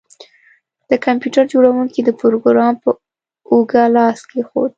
د کمپیوټر جوړونکي د پروګرامر په اوږه لاس کیښود